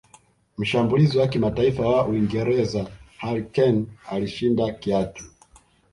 mshambulizi wa kimataifa wa uingereza harry kane alishinda kiatu